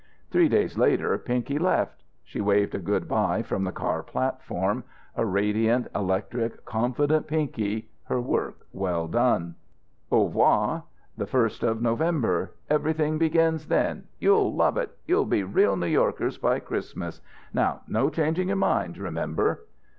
Three days later Pinky left. She waved a good bye from the car platform, a radiant, electric, confident Pinky, her work well done. "Au 'voir! The first of November! Everything begins then. You'll love it. You'll be real New Yorkers by Christmas. Now, no changing your minds, remember."